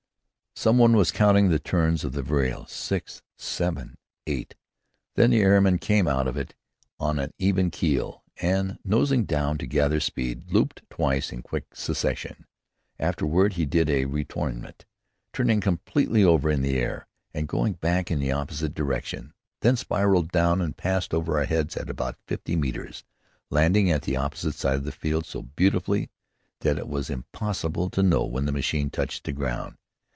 Some one was counting the turns of the vrille. Six, seven, eight; then the airman came out of it on an even keel, and, nosing down to gather speed, looped twice in quick succession. Afterward he did the retournement, turning completely over in the air and going back in the opposite direction; then spiraled down and passed over our heads at about fifty metres, landing at the opposite side of the field so beautifully that it was impossible to know when the machine touched the ground.